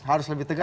harus lebih tegas